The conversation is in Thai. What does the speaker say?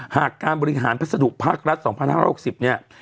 การบริหารพัสดุภาครัฐ๒๕๖๐เนี่ย